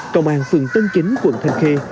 công an phường tân chính quận thành khê